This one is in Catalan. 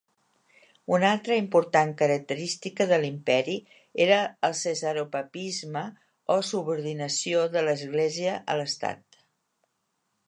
Una altra important característica de l'Imperi era el cesaropapisme, o subordinació de l'Església a l'Estat.